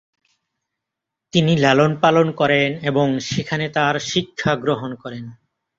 তিনি লালন-পালন করেন এবং সেখানে তার শিক্ষা গ্রহণ করেন।